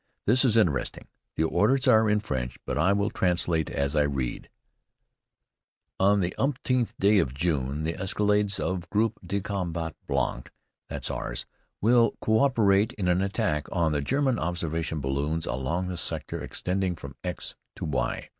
This is interesting. The orders are in French, but I will translate as I read: On the umteenth day of June, the escadrilles of Groupe de Combat Blank [that's ours] will cooperate in an attack on the German observation balloons along the sector extending from X to Y.